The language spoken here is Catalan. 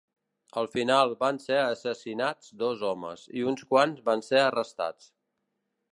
Al final van ser assassinats dos homes i uns quants van ser arrestats.